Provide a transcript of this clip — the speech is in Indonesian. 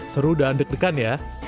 seru dan deg degan ya